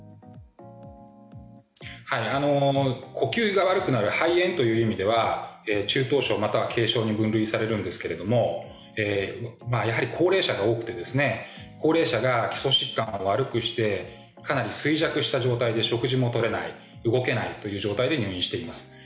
呼吸が悪くなる肺炎という意味では中等症、または軽症に分類されるんですがやはり、高齢者が多くて高齢者が基礎疾患を悪くしてかなり衰弱した状態で食事も取れない動けないという状態で入院しています。